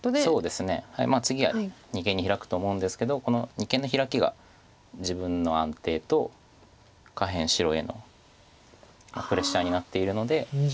次は二間にヒラくと思うんですけどこの二間のヒラキが自分の安定と下辺白へのプレッシャーになっているので。